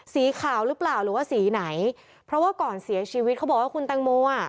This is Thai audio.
สีขาวหรือเปล่าหรือว่าสีไหนเพราะว่าก่อนเสียชีวิตเขาบอกว่าคุณแตงโมอ่ะ